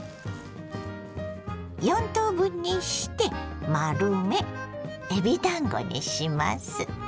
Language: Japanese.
４等分にして丸めえびだんごにします。